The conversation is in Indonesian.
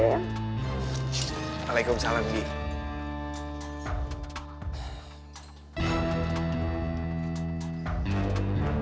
sial gue gak ada kesempatan buat ngerjain motornya boy